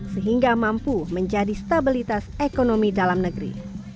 sehingga mampu menjadi stabilitas ekonomi dalam negeri